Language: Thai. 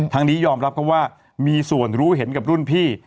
นี้ยอมรับเขาว่ามีส่วนรู้เห็นกับรุ่นพี่